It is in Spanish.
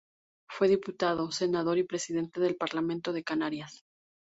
Fue diputado, senador y presidente del Parlamento de Canarias.